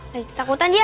lagi takutan dia